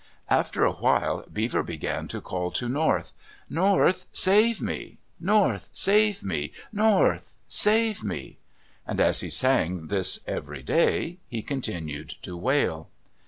After a while, Beaver began to call to North: "North, save me! North, save me! North, save me!" And as he sang this every day, he continued to wail.